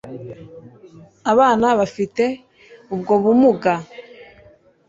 abana bafite ubwo bumuga.